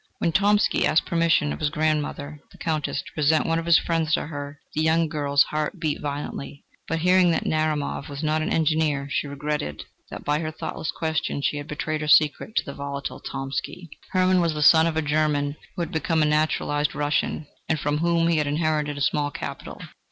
When Tomsky asked permission of his grandmother the Countess to present one of his friends to her, the young girl's heart beat violently. But hearing that Narumov was not an Engineer, she regretted that by her thoughtless question, she had betrayed her secret to the volatile Tomsky. Hermann was the son of a German who had become a naturalised Russian, and from whom he had inherited a small capital.